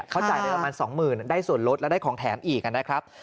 เขาจ่ายได้ประมาณ๒๐๐๐๐บาทได้ส่วนลดแล้วได้ของแถมอีกกันได้ครับ